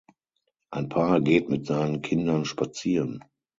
Ein Paar geht mit seinen Kindern spazieren.